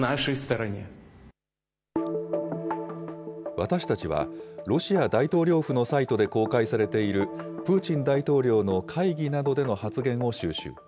私たちは、ロシア大統領府のサイトで公開されている、プーチン大統領の会議などでの発言を収集。